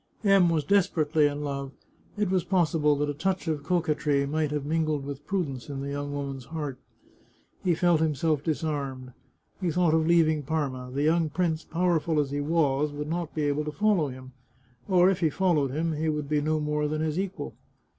M was desperately in love; it was possible that a touch of coquetry might have mingled with prudence in the young woman's heart. He felt himself disarmed. He thought of leaving Parma; the young prince, powerful as he was, would not be able to follow him, or, if he followed him, he would be no more than his equal.